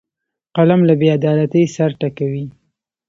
قلم له بیعدالتۍ سر ټکوي